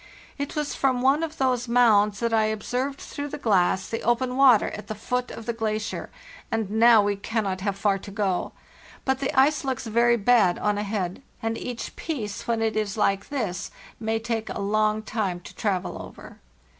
It was from one of these mounds that I observed through the glass the open water at the foot of the glacier, and now we cannot have far to go. But the ice looks very bad on ahead, and each piece when it is like this may take a long time to travel over.